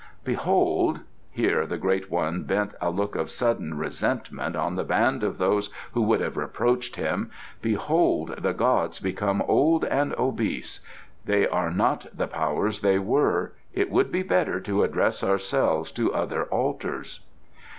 Behold'" here the Great One bent a look of sudden resentment on the band of those who would have reproached him "'behold the gods become old and obese. They are not the Powers they were. It would be better to address ourselves to other altars.